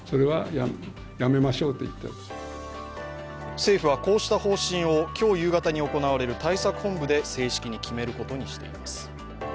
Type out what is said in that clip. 政府はこうした方針を今日夕方に行われる対策本部で正式に決めることにしています。